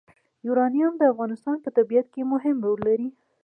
یورانیم د افغانستان په طبیعت کې مهم رول لري.